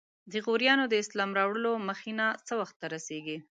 د غوریانو د اسلام راوړلو مخینه څه وخت ته رسیږي؟